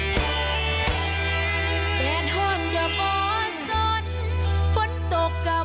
โปรดติดตามตอนต่อไป